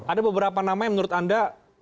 ada beberapa nama yang menurut anda